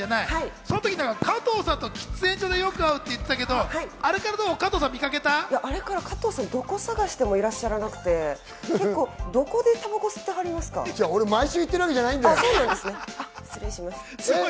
その時に加藤さんと喫煙所でよく会うって言ってたけど、どこ探してもいらっしゃらなくて、毎週行ってるわけじゃないんだよ。